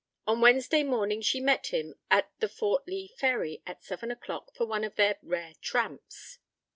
On Wednesday morning she met him at the Fort Lee Ferry at seven o'clock for one of their rare tramps.